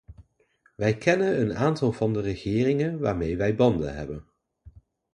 Wij kennen een aantal van de regeringen waarmee wij banden hebben.